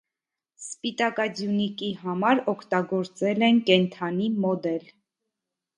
Սպիտակաձյունիկի համար օգտագործել են կենդանի մոդել։